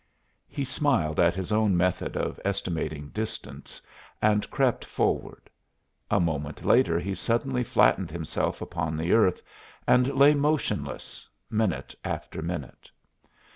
He smiled at his own method of estimating distance, and crept forward. A moment later he suddenly flattened himself upon the earth and lay motionless, minute after minute.